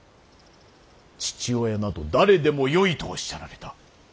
父親など誰でもよいとおっしゃられた！